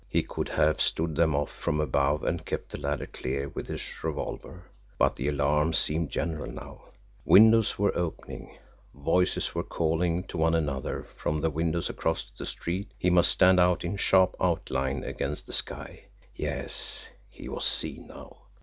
He could have stood them off from above and kept the ladder clear with his revolver, but the alarm seemed general now windows were opening, voices were calling to one another from the windows across the street he must stand out in sharp outline against the sky. Yes he was seen now.